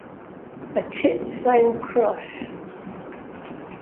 A Chit Sone Crush?